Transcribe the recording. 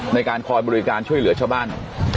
ในการคอยบริการช่วยเหลือชาวบ้าน